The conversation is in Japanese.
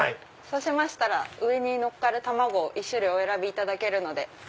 そうしましたら上にのっかる卵１種類お選びいただけるので。